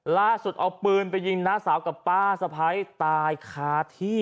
ล่าสุดเอาปืนไปยิงน้าสาวกับป้าสะพ้ายตายคาที่